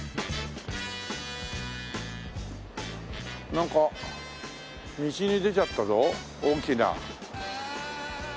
なんか道に出ちゃったぞ大きな。